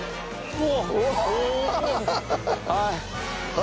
お。